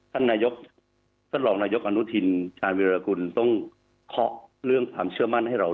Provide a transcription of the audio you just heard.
ท่านนายกท่านรองนายกอนุทินชาญวิรากุลต้องเคาะเรื่องความเชื่อมั่นให้เรา